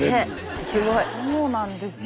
そうなんですよ。